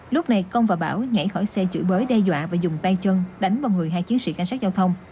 lúc này công và bảo nhảy khỏi xe chửi bới đe dọa và dùng tay chân đánh vào người hai chiến sĩ cảnh sát giao thông